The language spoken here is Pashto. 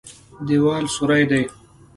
دېوال سوری دی.